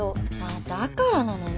だからなのね。